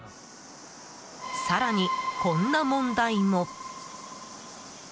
更に、こんな問題も。